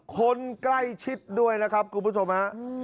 คนใกล้ชิดด้วยนะครับคุณผู้ชมฮะ